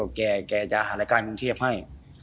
แบบแกจะหารการกรุงเทพฯให้